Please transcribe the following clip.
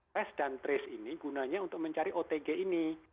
tes dan trace ini gunanya untuk mencari otg ini